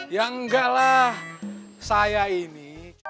yang gak lah saya ini